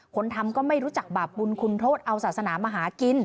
คนทำก็ไม่รู้จักบาปบุญคุณโทษเอาศาสนามาหากิน